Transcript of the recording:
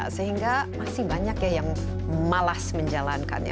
sehingga masih banyak ya yang malas menjalankannya